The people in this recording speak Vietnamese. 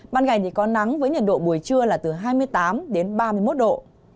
ban ngày thì có nắng với nhiệt độ buổi trưa là từ hai mươi tám đến ba mươi một độ